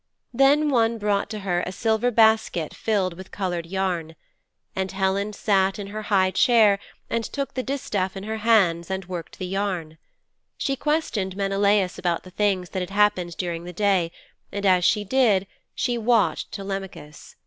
Then one brought to her a silver basket filled with colored yarn. And Helen sat in her high chair and took the distaff in her hands and worked the yarn. She questioned Menelaus about the things that had happened during the day, and as she did she watched Telemachus.